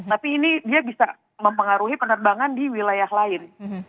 tapi ini dia bisa mempengaruhi penerbangan di wilayah lain